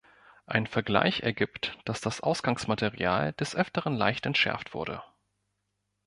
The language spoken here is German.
Ein Vergleich ergibt, dass das Ausgangsmaterial „des Öfteren leicht entschärft“ wurde.